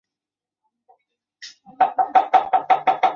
鹦鹉嘴龙科由生存于下白垩纪亚洲的基础角龙类构成。